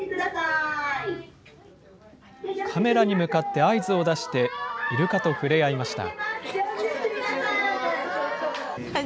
カメラに向かって合図を出して、イルカと触れ合いました。